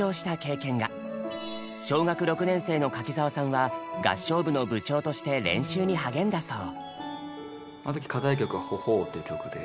小学６年生の柿澤さんは合唱部の部長として練習に励んだそう。